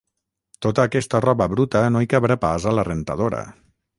Tota aquesta roba bruta no hi cabrà pas a la rentadora